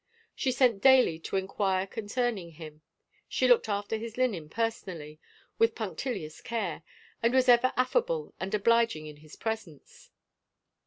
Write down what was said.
She sent daily to inquire con cerning him: she looked after his linen personally, with punctilious care, and was ever affable and obliging in his presence.